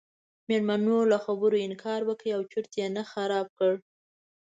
میلمنو له خبرو انکار وکړ او چرت یې نه خراب کړ.